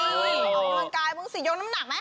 ออกกำลังกายบ้างสิยกน้ำหนักไหม